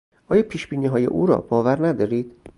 آیا پیشبینیهای او را باور ندارید؟